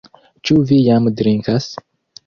Ĉu vi jam drinkas?